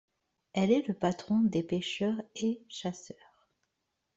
Elle est le patron des pêcheurs et chasseurs.